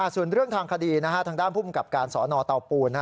ส่วนเรื่องทางคดีทางด้านภูมิกับการสอนอเตาปูน